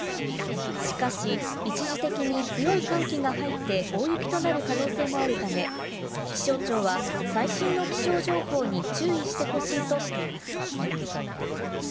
しかし、一時的に強い寒気が入って大雪となる可能性もあるため、気象庁は最新の気象情報に注意してほしいとしています。